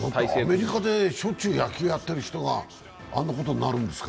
アメリカでしょっちゅう野球やってる人があんなことになるんですか。